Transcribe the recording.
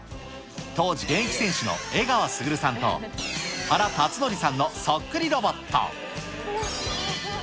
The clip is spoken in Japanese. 当時現役選手の江川卓さんと、原辰徳さんのそっくりロボット。